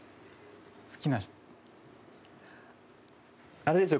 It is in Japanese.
あれでしょ？